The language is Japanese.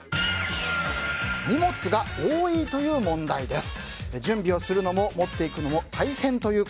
荷物が多いという問題です。